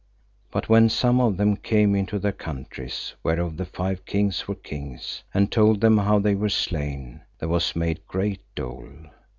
But when some of them came into their countries, whereof the five kings were kings, and told them how they were slain, there was made great dole.